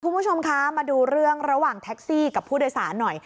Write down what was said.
คุณผู้ชมคะมาดูเรื่องระหว่างแท็กซี่กับผู้โดยสารหน่อย